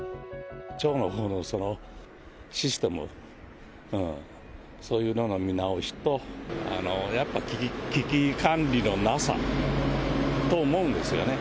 町のほうのシステム、そういうのの見直しと、やっぱ危機管理のなさと思うんですよね。